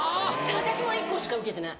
私も１個しか受けてない。